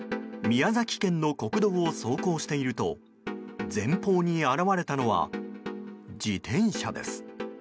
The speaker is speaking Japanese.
宮崎県の国道を走行していると前方に現れたのは、自転車です。